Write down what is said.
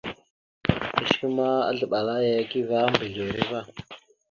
Kecəkwe ma, azləɓal aya ekeve a mbazləwar va.